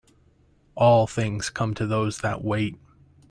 All things come to those that wait.